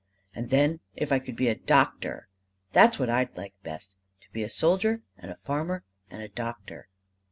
"And then if I could be a doctor. That's what I'd like best. To be a soldier and a farmer and a doctor."